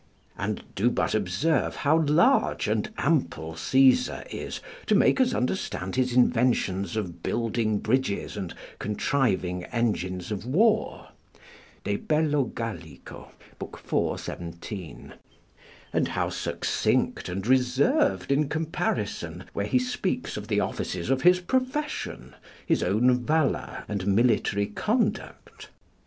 ] And do but observe how large and ample Caesar is to make us understand his inventions of building bridges and contriving engines of war, [De Bello Gall., iv. 17.] and how succinct and reserved in comparison, where he speaks of the offices of his profession, his own valour, and military conduct.